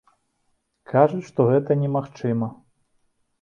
Кажуць, што гэта немагчыма.